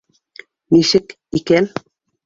Нисек икән?